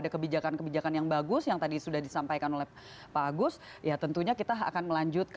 terjadi jadi saya kira